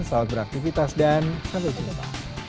selamat beraktivitas dan sampai jumpa